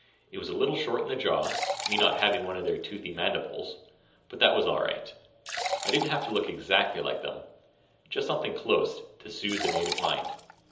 It was a little short in the jaw, me not having one of their toothy mandibles, but that was all right. I didn't have to look exactly like them, just something close, to soothe the native mind.